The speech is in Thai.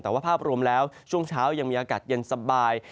แต่ว่าภาพรวมแล้วช่วงเช้ายังมีอากาศเย็นสบาย